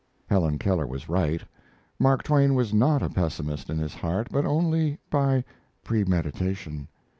Helen Keller was right. Mark Twain was not a pessimist in his heart, but only by premeditation.